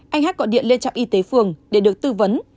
anh hát gọi điện lên trạm y tế phường để được tư vấn